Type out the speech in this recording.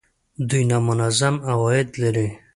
دوی نامنظم عواید لري